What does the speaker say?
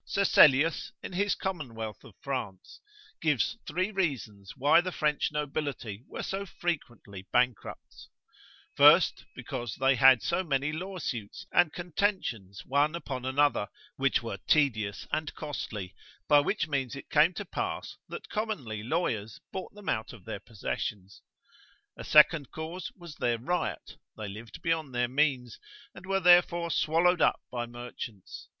Sesellius in his commonwealth of France, gives three reasons why the French nobility were so frequently bankrupts: First, because they had so many lawsuits and contentions one upon another, which were tedious and costly; by which means it came to pass, that commonly lawyers bought them out of their possessions. A second cause was their riot, they lived beyond their means, and were therefore swallowed up by merchants.